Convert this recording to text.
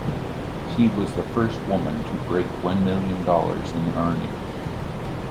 She was the first woman to break one million dollars in earnings.